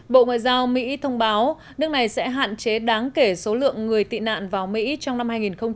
bộ ngoại giao mỹ thông báo nước này sẽ hạn chế đáng kể số lượng người tị nạn vào mỹ trong năm hai nghìn hai mươi